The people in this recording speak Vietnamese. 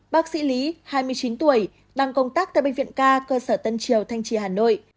bác sĩ lý hai mươi chín tuổi đang công tác tại bệnh viện ca cơ sở tân triều thanh trì hà nội